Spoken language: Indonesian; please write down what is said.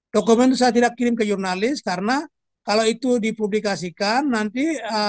dokumen itu saya tidak kirim ke jurnalis karena kalau itu dipublikasikan nanti